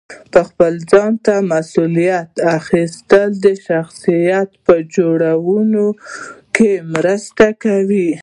خپل ځان ته مسؤلیت اخیستل د شخصیت په جوړونه کې مرسته کوي.